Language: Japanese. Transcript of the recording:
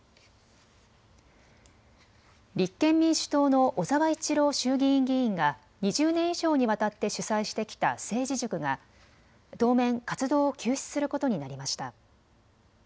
立憲民主党の小沢一郎衆議院議員が２０年以上にわたって主宰してきた政治塾が当面、活動を休止することになりました。